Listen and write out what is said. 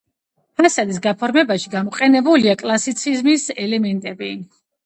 ფასადის გაფორმებაში გამოყენებულია კლასიციზმის ელემენტები.